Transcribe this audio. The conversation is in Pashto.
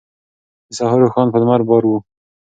د سهار اوښان په لمر بار وو.